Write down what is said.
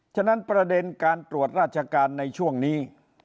ฉะนั้นประเด็นการตรวจราชการในช่วงนี้